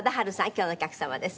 今日のお客様です。